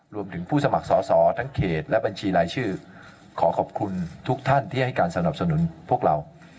รวมถึงผู้สมัครสอสอทั้งเขตและบัญชีรายชื่อขอขอบคุณทุกท่านที่ให้การสนับสนุนพวกเรา